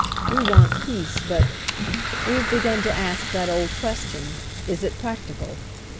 We want peace — but We have begun to ask that old question, "Is it prac tical?"